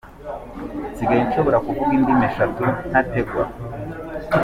Nsigaye nshobora kuvuga indimi eshatu ntategwa.